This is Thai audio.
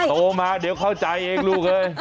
โตมาเดี๋ยวเข้าใจแต่หนูไม่รู้ตัวเท่านั้นเองลูก